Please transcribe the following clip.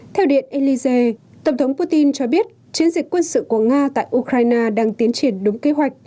theo điện élysée tổng thống putin cho biết chiến dịch quân sự của nga tại ukraine đang tiến triển đúng kế hoạch